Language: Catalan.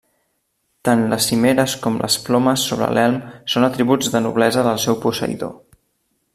Tant les cimeres com les plomes sobre l'elm són atributs de noblesa del seu posseïdor.